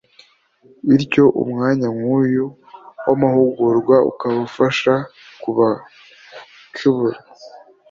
bityo umwanya nk’uyu w’amahugurwa ukaba ubafasha kubakebura